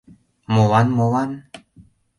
— Молан, молан!